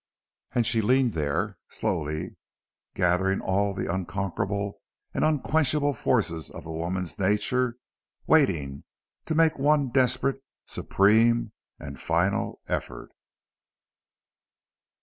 And she leaned there, slowly gathering all the unconquerable and unquenchable forces of a woman's nature, waiting, to make one desperate, supreme, and final effort.